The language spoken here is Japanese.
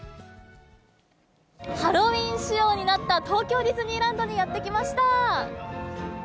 ハロウィーン仕様になった東京ディズニーランドにやって来ました。